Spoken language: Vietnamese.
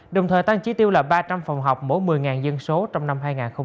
đồng thời tăng trí tiêu là ba trăm linh phòng học mỗi một mươi dân số trong năm hai nghìn hai mươi